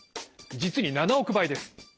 実に７億倍です。